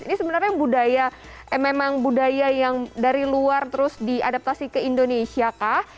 ini sebenarnya budaya memang budaya yang dari luar terus diadaptasi ke indonesia kah